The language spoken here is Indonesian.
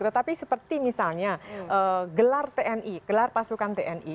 tetapi seperti misalnya gelar tni gelar pasukan tni